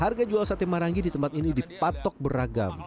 harga jual sate marangi di tempat ini dipatok beragam